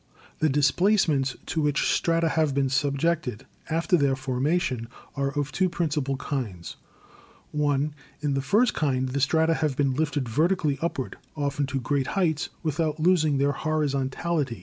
The displacements to which strata have been subjected after their formation are of two principal kinds: (i) In the first kind the strata have been lifted vertically upward, often to great heights, without losing their horizontality.